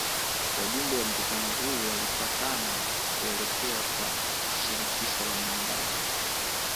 Wajumbe wa mkutano huu walipatana kuelekea kwa Shirikisho la muungano